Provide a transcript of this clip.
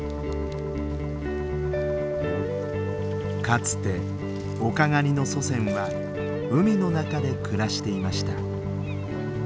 かつてオカガニの祖先は海の中で暮らしていました。